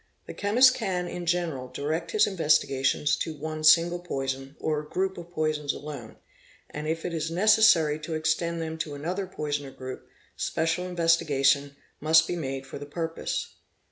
The chemist can, in general, — direct his investigations to one single poison or group of poisons alone, and if it is necessary to extend them to another poison or group, special investigation must be made for the purpose.